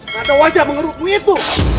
tidak ada wajah mengerutmu itu